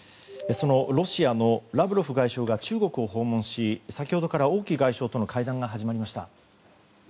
そのロシアのラブロフ外相が中国を訪問し先ほどから王毅外相との会談が始まりました。